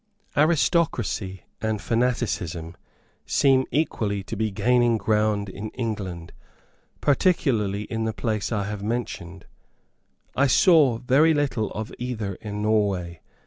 Aristocracy and fanaticism seem equally to be gaining ground in England, particularly in the place I have mentioned; I saw very little of either in Norway.